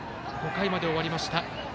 ５回まで終わりました。